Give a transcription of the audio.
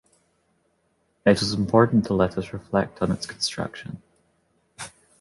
It was important to let us reflect on its construction.